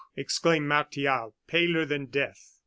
exclaimed Martial, paler than death.